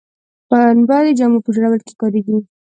پنبه د جامو په جوړولو کې کاریږي